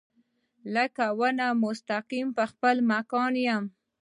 لکه ونه مستقیم پۀ خپل مکان يم